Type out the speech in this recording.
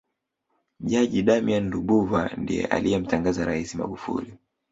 jaji damian lubuva ndiye aliyemtangaza raisi magufuli